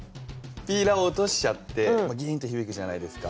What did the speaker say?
ピーラー落としちゃってぎいんってひびくじゃないですか。